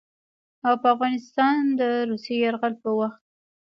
او په افغانستان د روسي يرغل په وخت